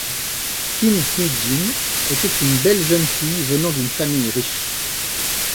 Kim Hye-jin était une belle jeune fille venant d'une famille riche.